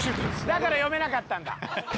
だから読めなかったんだ。